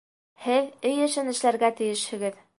Һеҙ өй эшен эшләргә тейешһегеҙ